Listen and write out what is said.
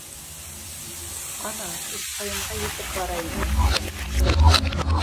— Ана, Өсҡайынға етеп бара ине.